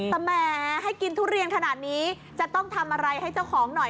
แต่แหมให้กินทุเรียนขนาดนี้จะต้องทำอะไรให้เจ้าของหน่อย